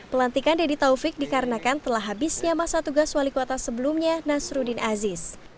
pelantikan deddy taufik dikarenakan telah habisnya masa tugas wali kota sebelumnya nasruddin aziz